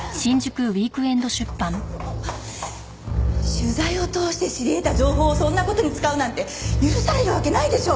取材を通して知り得た情報をそんな事に使うなんて許されるわけないでしょ！